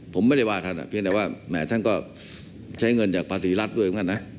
ผมไม่ได้ว่าท่านเพียงแต่ว่าแหมท่านก็ใช้เงินจากภาษีรัฐด้วยเหมือนกันนะ